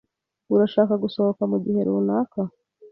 Urashaka gusohoka mugihe runaka?